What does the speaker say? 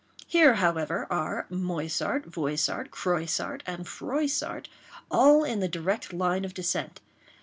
Here, however, are Moissart, Voissart, Croissart, and Froissart, all in the direct line of descent.